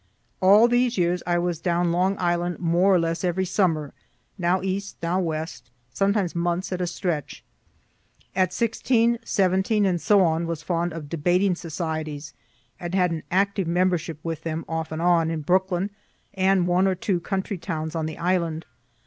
All these years I was down Long Island more or less every summer, now east, now west, sometimes months at a stretch. At 16, 17, and so on, was fond of debating societies, and had an active membership with them, off and on, in Brooklyn and one or two country towns on the island.